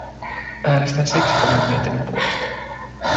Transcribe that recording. Äänestän siksi tämän mietinnön puolesta.